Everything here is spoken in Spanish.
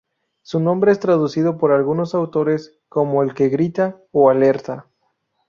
Su nombre es traducido por algunos autores como 'el que grita o alerta'.